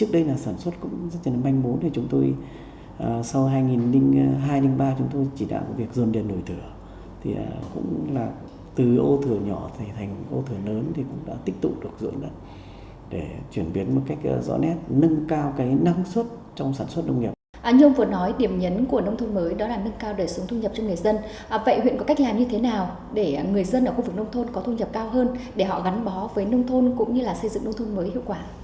để họ gắn bó với nông thôn cũng như là xây dựng nông thôn mới hiệu quả